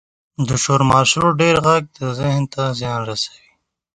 • د شور ماشور ډېر ږغ ذهن ته زیان رسوي.